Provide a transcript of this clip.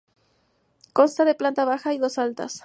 Consta de planta baja y dos alturas.